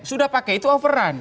sudah pakai itu overrun